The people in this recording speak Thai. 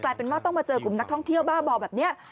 เป็นว่าต้องมาเจอกลุ่มนักท่องเที่ยวบ้าบ่อแบบนี้